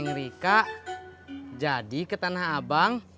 neng rika jadi ke tanah abang